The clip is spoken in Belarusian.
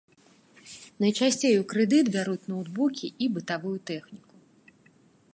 Найчасцей у крэдыт бяруць ноўтбукі і бытавую тэхніку.